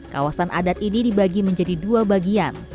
kawasan adat ini dibagi menjadi dua bagian